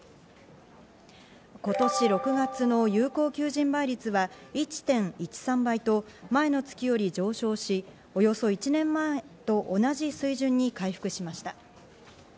今年６月の有効求人倍率は１．１３倍と前の月より上昇し、およそ１年前と同じ水準に回復しました。